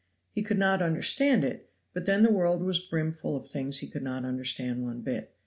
He could not understand it, but then the world was brimful of things he could not understand one bit.